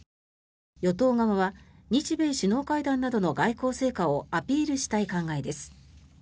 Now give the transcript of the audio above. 与党側は日米首脳会談などの外交成果をアピールしたい考えです。